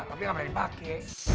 tapi gak pernah dipake